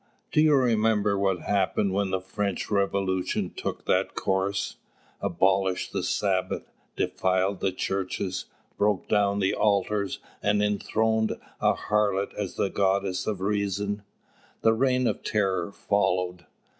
Do you remember what happened when the French Revolution took that course, abolished the Sabbath, defiled the Churches, broke down the altars, and enthroned a harlot as the Goddess of Reason? The Reign of Terror followed.